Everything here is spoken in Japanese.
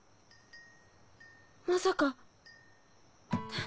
まさか。